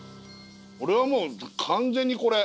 俺はもう完全にこれ。